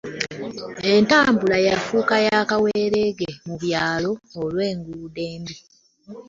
entambula yafuuka yakawerege mu byalo olwengudo embi